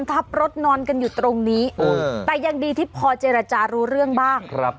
ทับรถนอนกันอยู่ตรงนี้แต่ยังดีที่พอเจรจารู้เรื่องบ้าง